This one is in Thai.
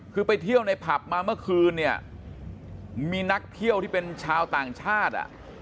คือไปเที่ยวในผับมาเมื่อคืนเนี่ยมีนักเที่ยวที่เป็นชาวต่างชาติ